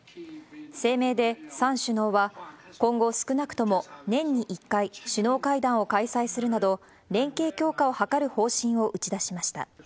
声明で３首脳は、今後、少なくとも年に１回首脳会談を開催するなど、連携強化を図る方針を打ち出しました。